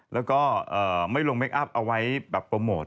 แล้วก็ไม่ลงเคคอัพเอาไว้แบบโปรโมท